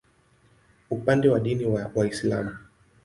Upande wa dini ni Waislamu.